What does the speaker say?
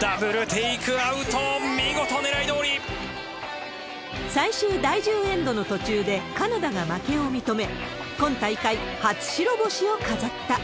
ダブルテイクアウト、最終第１０エンドの途中でカナダが負けを認め、今大会、初白星を飾った。